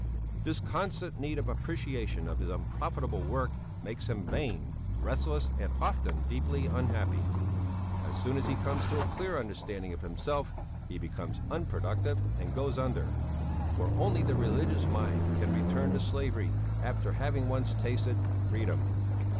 This constant need of appreciation of his unprofitable work makes him vain, restless, and often deeply unhappy; as soon as he comes to a clear understanding of himself he becomes unproductive and goes under, for only the religious mind can return to slavery after having once tasted freedom.